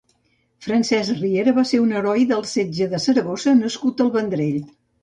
Francesc Riera va ser un heroi del setge de Saragossa nascut al Vendrell.